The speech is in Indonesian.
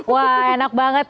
wah enak banget ya